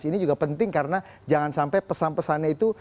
ini juga penting karena jangan sampai pesan pesannya itu